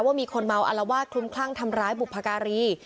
ว่ามีคนเมาอารวาสคลุมคลั่งทำร้ายบุพการี